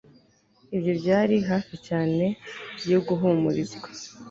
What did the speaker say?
ibyo byari hafi cyane yo guhumurizwa